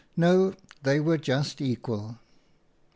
No, they were just equal.